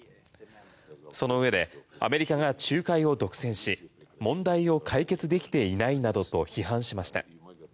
その上でアメリカが仲介を独占し問題を解決できていないなどと批判しました。